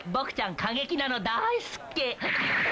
過激なの大好き！